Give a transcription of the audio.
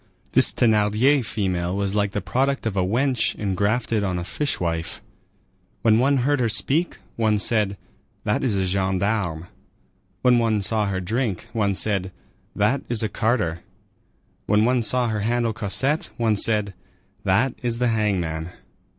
This Thénardier female was like the product of a wench engrafted on a fishwife. When one heard her speak, one said, "That is a gendarme"; when one saw her drink, one said, "That is a carter"; when one saw her handle Cosette, one said, "That is the hangman."